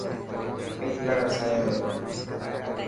اي پلاٽ اسانيو هي.